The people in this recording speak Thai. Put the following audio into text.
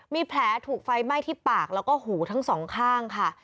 มีแผลถูกไฟไหม้ที่ปากแล้วก็หูทั้งสองข้างค่ะ